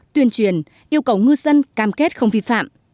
tuyên truyền yêu cầu ngư dân cam kết không vi phạm